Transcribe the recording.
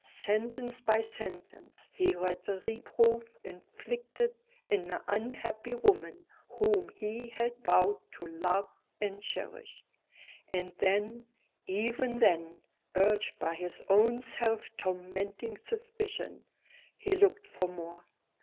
Sentence by sentence he read the reproof inflicted on the unhappy woman whom he had vowed to love and cherish. And then even then urged by his own self tormenting suspicion, he looked for more.